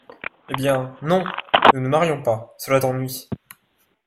Eh bien, non! ne nous marions pas, cela t’ennuie.